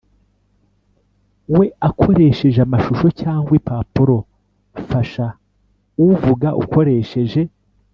We akoresheje amashusho cyangwa impapuro fasha uvuga ukoresheje